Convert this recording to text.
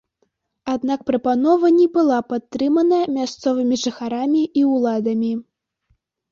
Аднак прапанова не была падтрымана мясцовымі жыхарамі і ўладамі.